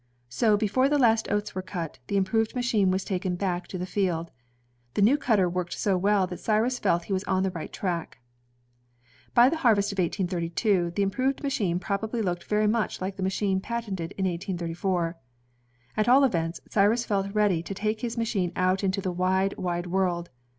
So before the last oats were cut, the improved machine was taken back to the field. The new cutter worked so well that Cyrus felt he was on the right track. By the harvest of 1832, the improved machine probably looked very much like the machine patented in 1834. At all events, Cyrus felt ready to take his machine out into the "wide, wide world.''